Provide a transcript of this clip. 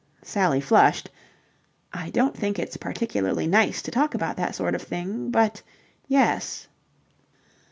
Sally flushed. "I don't think it's particularly nice to talk about that sort of thing, but yes."